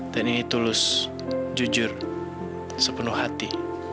dan ini tulus jujur sepenuh hati